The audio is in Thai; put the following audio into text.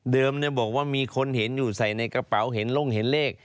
บอกว่ามีคนเห็นอยู่ใส่ในกระเป๋าเห็นลงเห็นเลข